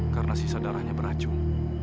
karena sisa darahnya beracun